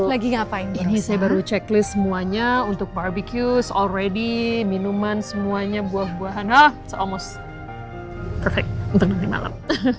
halo sarah ini saya baru checklist semuanya untuk barbeque soal ready minuman semuanya buah buahan haa it's almost perfect untuk nanti malam